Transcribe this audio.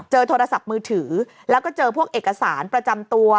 โทรศัพท์มือถือแล้วก็เจอพวกเอกสารประจำตัว